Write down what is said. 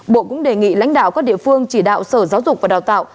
bộ cũng đề nghị lãnh đạo các địa phương chỉ đạo sở giáo dục và đào tạo